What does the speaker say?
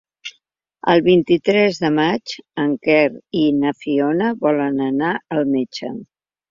El vint-i-tres de maig en Quer i na Fiona volen anar al metge.